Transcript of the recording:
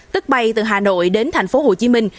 tức bay từ hà nội đến thành phố hồ chí minh